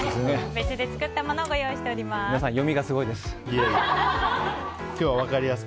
別で作ったものをご用意しています。